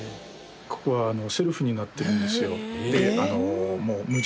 ここはセルフになってるんですよ。